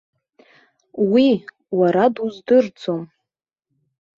Уи уара дуздырӡом.